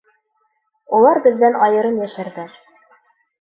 Улар беҙҙән айырым йәшәрҙәр.